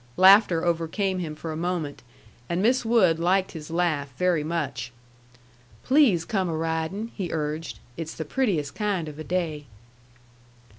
Laughter overcame him for a moment, and Miss Wood liked his laugh very much. "Please come a ridin'," he urged. "It's the prettiest kind of a day."